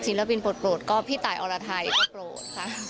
ศิลปินโปรดก็พี่ตายอ๋อลาไทยก็โปรด